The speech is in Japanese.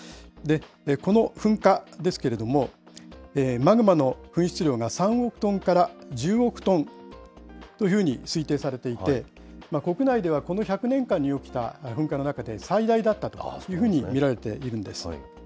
この噴火ですけれども、マグマの噴出量が３億トンから１０億トンというふうに推定されていて、国内ではこの１００年間に起きた噴火の中で最大だったというふうに見られているんです。